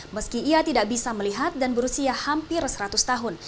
meski ia tidak bisa melihat dan berusia hampir seratus tahun